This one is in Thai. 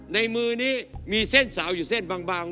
ในมือนี้มีเส้นสาวอยู่เส้นบาง